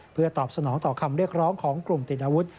เพื่อตอบสนองต่อคำเรียกร้องของกลุ่มติดอาวุธ